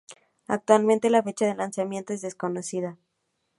Actualmente la fecha de lanzamiento es desconocida.